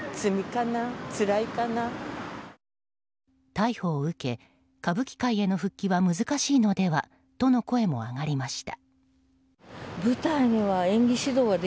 逮捕を受け歌舞伎界への復帰は難しいのではとの声も上がりました。